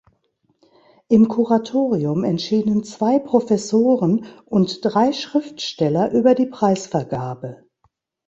Im Kuratorium entschieden zwei Professoren und drei Schriftsteller über die Preisvergabe.